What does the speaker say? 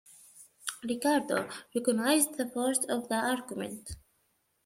Ricardo recognised the force of the argument.